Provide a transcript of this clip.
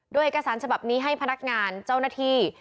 โดยเอกสารฉบับนี้ให้พนักงานเจ้าหน้าที่